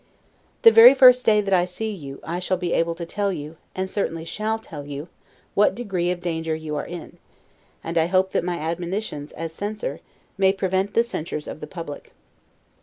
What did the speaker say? The very first day that I see you, I shall be able to tell you, and certainly shall tell you, what degree of danger you are in; and I hope that my admonitions, as censor, may prevent the censures of the public.